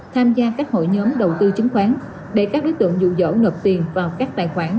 tham gia các hội nhóm đầu tư chứng khoán để các đối tượng dụ dỗ nộp tiền vào các tài khoản